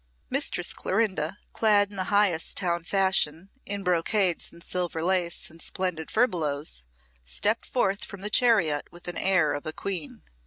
Mistress Clorinda, clad in highest town fashion, in brocades and silver lace and splendid furbelows, stepped forth from the chariot with the air of a queen.